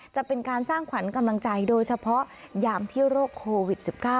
จะเป็นการสร้างขวัญกำลังใจโดยเฉพาะยามที่โรคโควิด๑๙